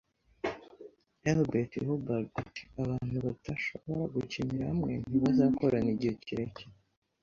Elbert Hubbard ati: "Abantu badashobora gukinira hamwe ntibazakorana igihe kirekire."